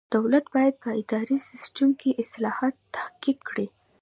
دولت باید په اداري سیسټم کې اصلاحات تحقق کړي.